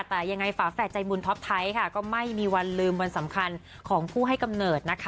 แต่ยังไงฝาแฝดใจบุญท็อปไทยค่ะก็ไม่มีวันลืมวันสำคัญของผู้ให้กำเนิดนะคะ